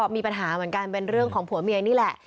มีปัญหาเหมือนกันเป็นเรื่องของผัวเมียนี่แหละ